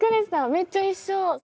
めっちゃ一緒。